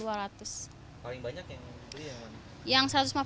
paling banyak yang beli yang mana